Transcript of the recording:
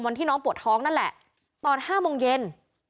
วันที่น้องปวดท้องนั่นแหละตอน๕โมงเย็น